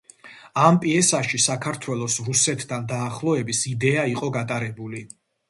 ამ პიესაში საქართველოს რუსეთთან დაახლოების იდეა იყო გატარებული.